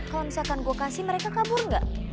kalau misalkan gue kasih mereka kabur nggak